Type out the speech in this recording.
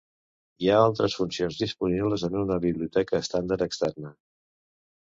Hi ha altres funcions disponibles en una biblioteca estàndard externa.